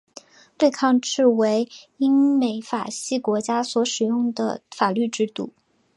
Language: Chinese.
对抗制为英美法系国家所使用的法律制度。